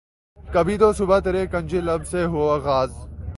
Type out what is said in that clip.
کبھی تو صبح ترے کنج لب سے ہو آغاز